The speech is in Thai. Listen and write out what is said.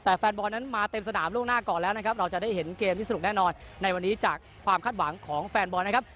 แต่แฟนบอลนั้นมาเต็มสนามล่วงหน้าก่อนแล้วนะครับเราจะได้เห็นเกมที่สนุกแน่นอนในวันนี้จากความคาดหวังของแฟนบอลนะครับ